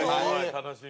楽しみ。